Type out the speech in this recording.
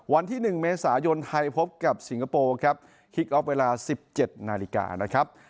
วันที่๑เมษายนไทยพบกับสิงคโปร์ครับคลิกออฟเวลา๑๗นาฬิกานะครับ